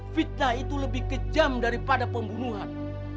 fitnah itu lebih kejam daripada pembunuhan